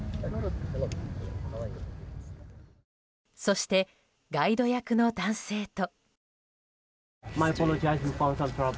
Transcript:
そして、ガイド役の男性と。